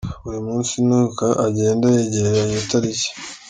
Buri munsi ni ko agenda yegera iyo tariki.